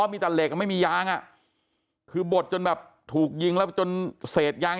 มีแต่เหล็กไม่มียางอ่ะคือบดจนแบบถูกยิงแล้วจนเศษยาง